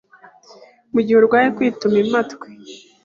mu gihe urwaye kwituma impatwe